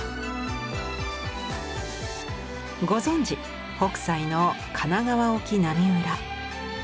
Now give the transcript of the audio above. ご存じ北斎の「神奈川沖浪裏」。